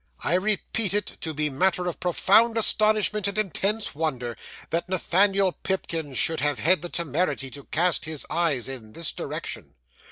I repeat it, to be matter of profound astonishment and intense wonder, that Nathaniel Pipkin should have had the temerity to cast his eyes in this direction.